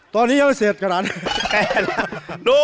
ตอนนี้ยังไม่เสร็จขนาดนั้น